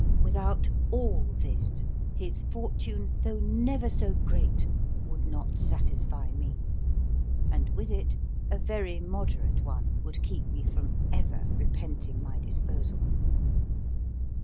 Without all this, his fortune, though never so great, would not satisfy me; and with it, a very moderate one would keep me from ever repenting my disposal.